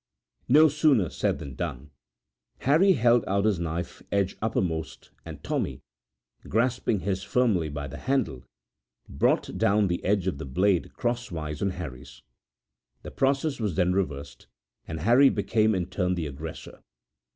No sooner said than done. Harry held out his knife edge uppermost; and Tommy, grasping his firmly by the handle, brought down the edge of the blade crosswise on Harry's. The process was then reversed, and Harry became in turn the aggressor.